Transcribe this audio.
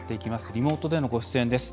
リモートでのご出演です。